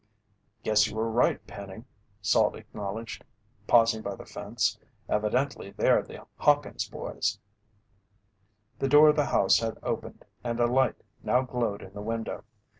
"Guess you were right, Penny," Salt acknowledged, pausing by the fence. "Evidently they're the Hawkins' boys." The door of the house had opened and a light now glowed in the window.